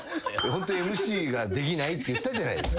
ホントＭＣができないって言ったじゃないですか。